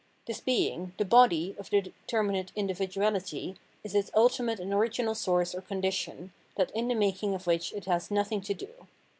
This being, the " body " of the determinate in dividuahty, is its ultimate and original source or con dition, that in the making of which it has had nothing to do.